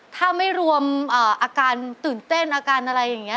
ถ้าไม่รวมอาการตื่นเต้นอาการอะไรอย่างนี้